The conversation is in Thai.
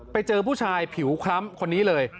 ไปเจอผู้ชายผิวคล้ำคนนี้เลย